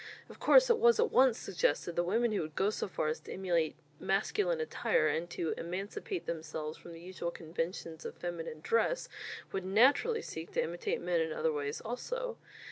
Of course it was at once suggested that women who would go so far as to imitate masculine attire and to emancipate themselves from the usual conventions of feminine dress, would naturally seek to imitate men in other ways also.